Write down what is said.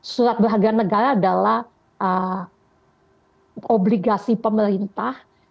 surat berharga negara adalah obligasi pemerintah